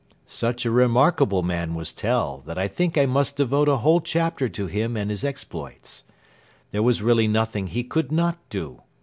Such a remarkable man was Tell that I think I must devote a whole chapter to him and his exploits. There was really nothing he could not do.